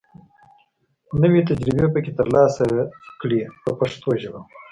نوې تجربې پکې تر لاسه کړي په پښتو ژبه.